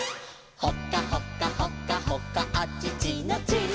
「ほかほかほかほかあちちのチー」